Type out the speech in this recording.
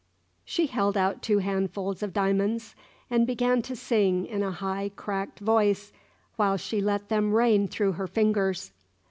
She held out two handfuls of diamonds, and began to sing in a high, cracked voice, while she let them rain through her fingers.